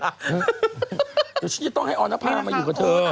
เดี๋ยวฉันจะต้องให้ออนภามาอยู่กับเธอ